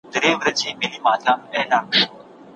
د شخصیت پر ځای باید په فکر تمرکز وسي.